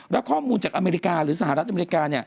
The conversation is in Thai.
และข้อมูลจากอเมริกาหรือสหรัฐอเมริกา